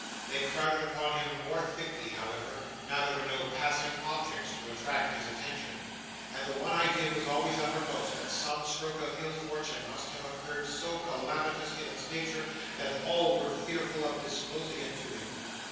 They crowded upon him more thickly, however, now there were no passing objects to attract his attention; and the one idea was always uppermost, that some stroke of ill fortune must have occurred so calamitous in its nature that all were fearful of disclosing it to him.